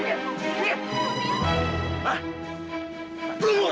gak usah pake uang